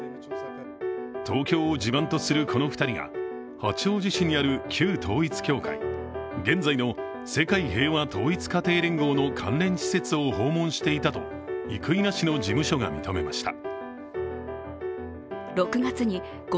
東京を地盤とするこの２人が八王子市にある旧統一教会、現在の世界平和統一家庭連合の関連施設を訪問していたと生稲氏の事務所が認めました。